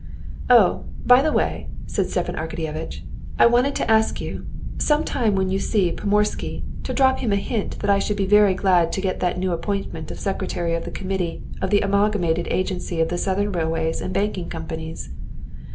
"Oh, by the way," said Stepan Arkadyevitch, "I wanted to ask you, some time when you see Pomorsky, to drop him a hint that I should be very glad to get that new appointment of secretary of the committee of the amalgamated agency of the southern railways and banking companies."